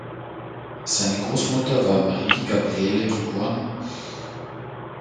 Seine Großmutter war Marie Gabriele geb.